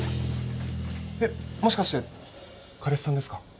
えっもしかして彼氏さんですか？